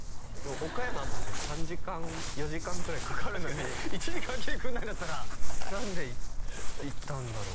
岡山まで３時間４時間くらいかかるのに確かにね１時間来てくんないんだったら何で行ったんだろう？